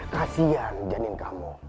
kasian janin kamu